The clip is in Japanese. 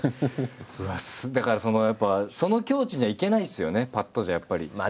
だからやっぱその境地にはいけないですよねぱっとじゃやっぱり。